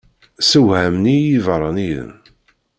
Ssewhamen-iyi ibeṛṛaniyen.